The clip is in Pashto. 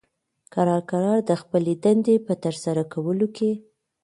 کرار کرار د خپلې دندې په ترسره کولو کې